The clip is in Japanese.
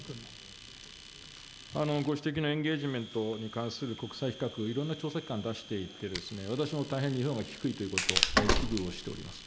ご指摘のエンゲージメントに関する国際比較、いろんな調査機関出していて、私も大変に日本が低いということ、大変、危惧しております。